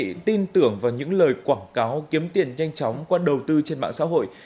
khi quý vị tin tưởng vào những lời quảng cáo kiếm tiền nhanh chóng qua đầu tư trên mạng xã hội